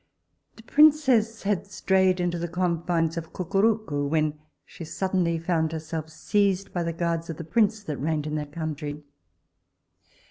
The princess had strayed into the confines of Cucurucu, when she suddenly found herself seized by the guards of the prince that reigned in that country.